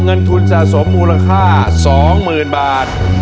เงินทุนสะสมมูลค่า๒๐๐๐บาท